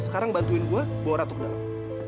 sekarang bantuin gue bawa ratu ke dalam